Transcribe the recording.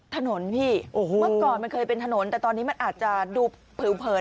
ถนนพี่เมื่อก่อนมันเคยเป็นถนนแต่ตอนนี้มันอาจจะดูผิวเผิน